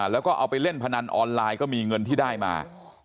แล้วก็เอาไปเล่นพนันออนไลน์ก็มีเงินที่ได้มา